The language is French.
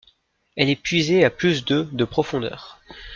Elle est puisée à plus de de profondeur.